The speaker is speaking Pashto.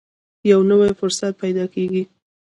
یو نوی فرصت پیدا کېږي.